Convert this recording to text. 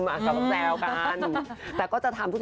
ออกงานอีเวนท์ครั้งแรกไปรับรางวัลเกี่ยวกับลูกทุ่ง